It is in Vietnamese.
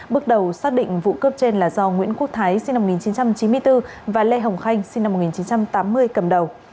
bước đầu xác định vụ cướp trên là do nguyễn quốc thái sinh năm một nghìn chín trăm chín mươi bốn và lê hồng khanh sinh năm một nghìn chín trăm tám mươi cầm đầu